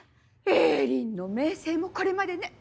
栄林の名声もこれまでね。